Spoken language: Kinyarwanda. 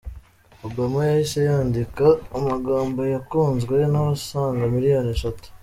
Obama yahise yandika amagambo yakunzwe n’abasaga miliyoni eshatu.